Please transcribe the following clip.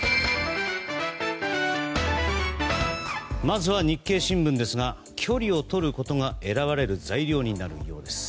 まずは日経新聞ですが距離をとることが選ばれる材料になるようです。